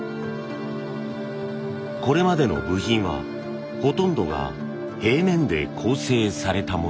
これまでの部品はほとんどが平面で構成されたもの。